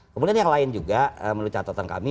kemudian yang lain juga menurut catatan kami